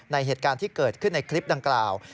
เหตุการณ์ที่เกิดขึ้นในคลิปดังกล่าว